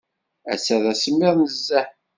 Ass-a d asemmiḍ nezzeh.